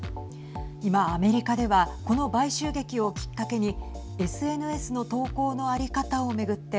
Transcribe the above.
今アメリカではこの買収劇をきっかけにＳＮＳの投稿の在り方をめぐって